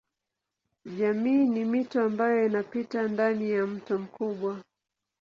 Jamii ni mito ambayo inapita ndani ya mto mkubwa.